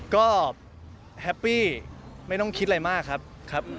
ก็แฮปปี้ไม่ต้องคิดอะไรมากครับ